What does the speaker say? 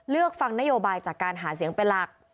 เลือกฟังนโยบายจากการหาเสียงเป็นหลัก